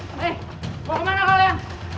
mau kemana kalian